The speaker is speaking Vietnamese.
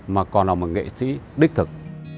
mà còn là một nghệ sĩ đích thực